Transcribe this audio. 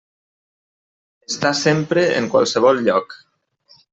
Està sempre en qualsevol lloc.